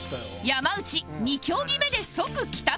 山内２競技目で即帰宅